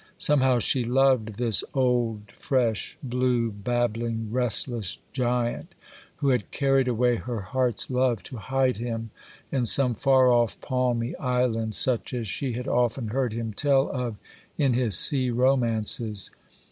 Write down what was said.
Somehow she loved this old, fresh, blue, babbling, restless giant, who had carried away her heart's love to hide him in some far off palmy island, such as she had often heard him tell of in his sea romances.